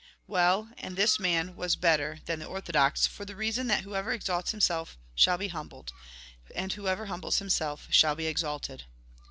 Well, and this man was better than the orthodox, for the reason that whoever exalts himself shall be humbled, and whoever humbles himself shall be exalted."